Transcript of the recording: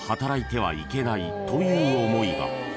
［という思いが］